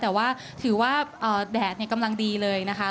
แต่ว่าถือว่าแดดกำลังดีเลยนะคะ